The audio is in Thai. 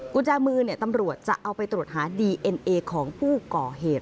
กุญแจมือตำรวจจะเอาไปตรวจหาดีเอ็นเอของผู้ก่อเหตุ